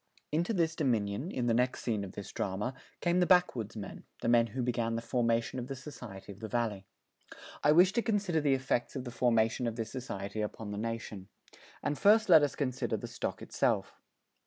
Into this dominion, in the next scene of this drama, came the backwoodsmen, the men who began the formation of the society of the Valley. I wish to consider the effects of the formation of this society upon the nation. And first let us consider the stock itself.